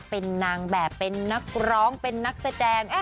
เป็นนางแบบเป็นนักร้องเป็นนักแสดง